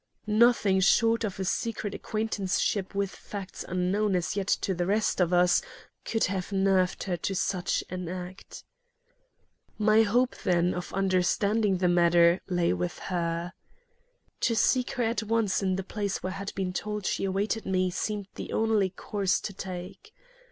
Nothing, short of a secret acquaintanceship with facts unknown as yet to the rest of us, could have nerved her to such an act. My one hope, then, of understanding the matter lay with her. To seek her at once in the place where I had been told she awaited me seemed the only course to take.